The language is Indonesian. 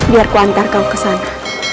biar kuantar kau ke sana